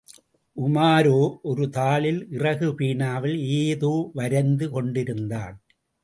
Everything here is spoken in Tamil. உமாரோ ஒரு தாளில் இறகு பேனாவில் ஏதோ வரைந்து கொண்டிருந்தான்.